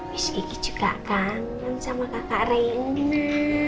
miss gigi juga kangen sama kakak reina